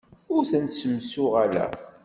Ur ten-ssemsuɣaleɣ.